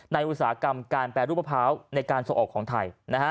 อุตสาหกรรมการแปรรูปมะพร้าวในการส่งออกของไทย